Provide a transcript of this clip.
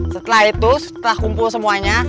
setelah itu setelah kumpul semuanya